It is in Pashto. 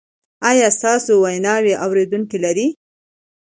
ایا ستاسو ویناوې اوریدونکي لري؟